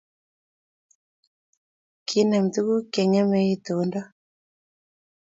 Kenem tukuk Che ng'emei itonda